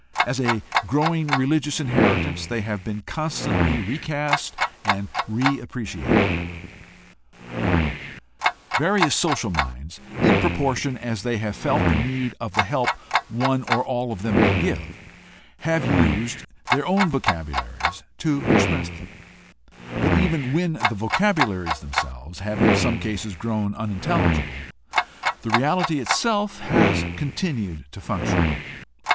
As a growing religious inheritance they have been constantly recast and reappreci ated. Various social minds, in proportion as they have felt the need of the help one or all of them can give, have used their own vocabularies to express them, but even when the vocabularies themselves have in some cases grown unin telligible, the reality itself has continued to function.